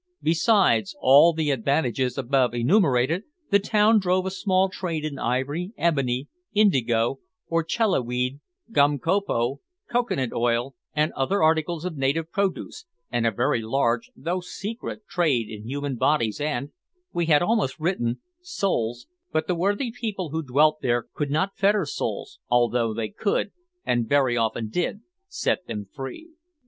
Besides all the advantages above enumerated, the town drove a small trade in ivory, ebony, indigo, orchella weed, gum copal, cocoa nut oil, and other articles of native produce, and a very large (though secret) trade in human bodies and we had almost written souls, but the worthy people who dwelt there could not fetter souls, although they could, and very often did, set them free.